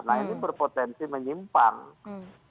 nah ini berpotensi menyimpannya